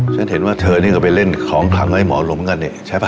ฉันเห็นว่าเธอนี่ก็ไปเล่นของขลังให้หมอหลุมกันเนี่ยใช่ป่